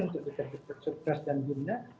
untuk detektif persyukras dan jimna